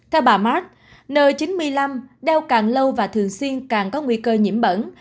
theo bà mart n chín mươi năm đeo càng lâu và thường xuyên càng có nguy cơ nhiễm bẩn